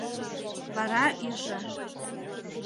Вара иже